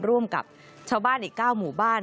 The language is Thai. ร่วมกับชาวบ้านอีก๙หมู่บ้าน